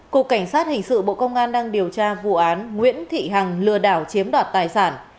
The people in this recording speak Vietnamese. cục cảnh sát hình sự bộ công an đang điều tra vụ án nguyễn thị hằng lừa đảo chiếm đoạt tài sản